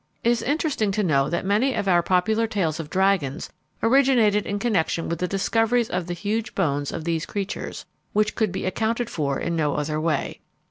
It is interesting to know that many of our popular tales of dragons originated in connection with the discoveries of the huge bones of these creatures, which could be accounted for in no other way.